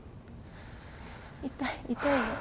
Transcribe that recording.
痛い痛いよ。